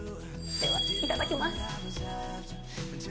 ではいただきます。